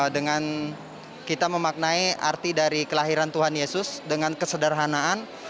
dengan kita memaknai arti dari kelahiran tuhan yesus dengan kesederhanaan